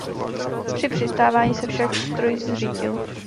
Při přistávání se však stroj zřítil.